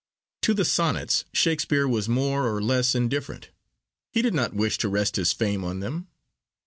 To the Sonnets Shakespeare was more or less indifferent. He did not wish to rest his fame on them.